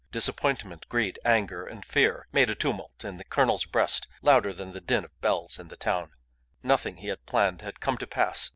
Disappointment, greed, anger, and fear made a tumult, in the colonel's breast louder than the din of bells in the town. Nothing he had planned had come to pass.